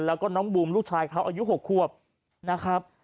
แล้วก็น้องบูมลูกชายเขาอายุ๖ควบนะครับ